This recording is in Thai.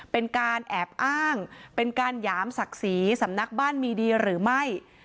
เป็นการแอบอ้างเป็นการหยามศักดิ์ศรีสำนักบ้านมีดีหรือไม่